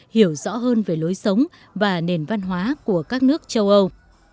hiểu rõ hơn về lối sống và nền văn hóa của các nước châu âu